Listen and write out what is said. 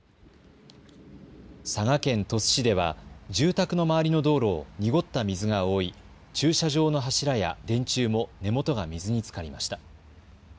佐賀県鳥栖市では住宅の周りの道路を濁った水が覆い駐車場の柱や電柱も根元が水につかりました。